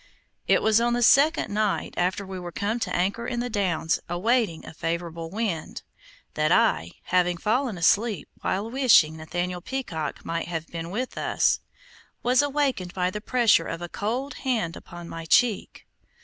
It was on the second night, after we were come to anchor in the Downs awaiting a favorable wind, that I, having fallen asleep while wishing Nathaniel Peacock might have been with us, was awakened by the pressure of a cold hand upon my cheek.